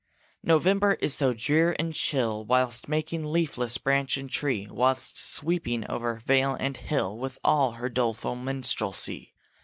November is so drear and chill Whilst making leafless branch and tree, Whilst sweeping over vale and hill With all her doleful minstrelsy.